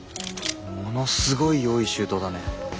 ものすごい用意周到だね。